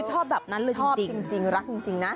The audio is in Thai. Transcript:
ชอบแบบนั้นเลยจริง